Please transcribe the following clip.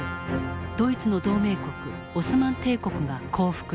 ドイツの同盟国オスマン帝国が降伏した。